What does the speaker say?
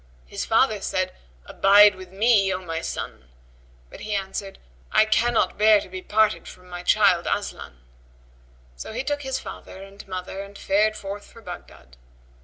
His father said, "Abide with me, O my son;" but he answered; "I cannot bear to be parted from my child Aslan." So he took his father and mother and fared forth for Baghdad.